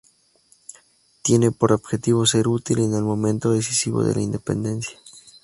Tiene por objetivo: ‘Ser útil en el momento decisivo’ de la independencia.